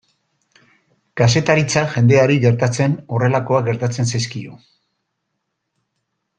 Kazetaritza jendeari gertatzen horrelakoak gertatzen zaizkio.